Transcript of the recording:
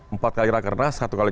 empat kali rakernas satu kali